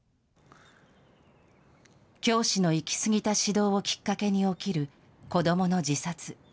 教師の行き過ぎた指導をきっかけに起きる子どもの自殺。